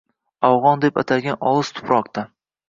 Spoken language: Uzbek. Afg‘on deb atalgan olis tuproqda